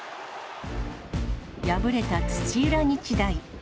敗れた土浦日大。